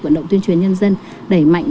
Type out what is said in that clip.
vận động tuyên truyền nhân dân đẩy mạnh